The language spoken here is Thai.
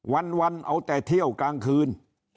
วันเอาแต่เที่ยวกลางคืน